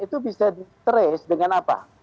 itu bisa di trace dengan apa